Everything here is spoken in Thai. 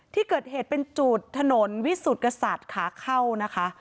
ที่เกิดเหตุเป็นจุดถนนวิสุทธิ์กษัตริย์ขาเข้านะคะ